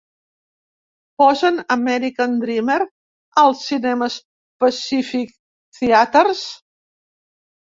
Posen "American Dreamer" al cinemes Pacific Theatres?